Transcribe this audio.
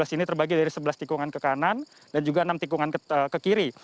dua belas ini terbagi dari sebelas tikungan ke kanan dan juga enam tikungan ke kiri